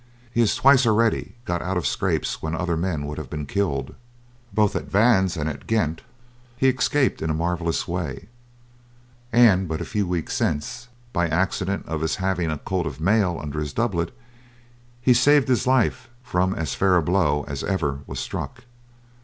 He has twice already got out of scrapes when other men would have been killed. Both at Vannes and at Ghent he escaped in a marvellous way; and but a few weeks since, by the accident of his having a coat of mail under his doublet he saved his life from as fair a blow as ever was struck.